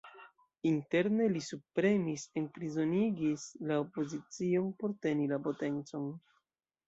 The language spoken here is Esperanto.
Interne, li subpremis, enprizonigis la opozicion, por teni la potencon.